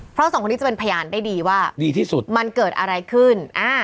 เพราะ๒คนนี้จะเป็นพยานได้ดีว่ามันเกิดอะไรขึ้น